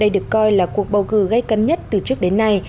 đây được coi là cuộc bầu cử gây cấn nhất từ trước đến nay